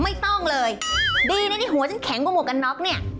ไม่ต้องเลยดีนะที่หัวฉันแข็งกว่าหมวกกันน็อกเนี่ย